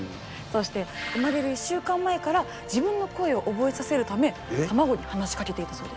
そして生まれる１週間前から自分の声を覚えさせるため卵に話しかけていたそうです。